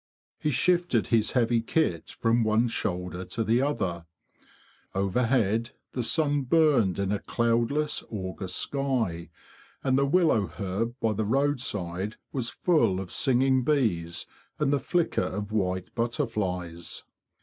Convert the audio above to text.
He shifted his heavy kit from one shoulder to the other. Overhead the sun burned in a cloudless August sky, and the willow herb by the roadside was full of singing bees and the flicker of white butterflies.